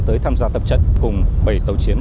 tới tham gia tập trận cùng bảy tàu chiến